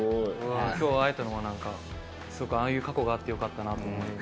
今日会えたのは何かすごくああいう過去があってよかったなと思います。